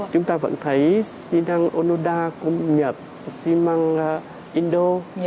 chúng ta vẫn thấy xi đăng onoda cũng nhập xi măng indo